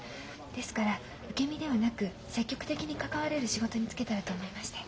ですから受け身ではなく積極的に関われる仕事に就けたらと思いまして。